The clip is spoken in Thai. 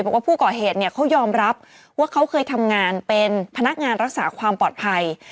บอกว่าผู้ก่อเหตุเนี่ยเขายอมรับว่าเขาเคยทำงานเป็นพนักงานรักษาความปลอดภัย